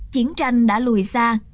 chiến tranh đã lùi xa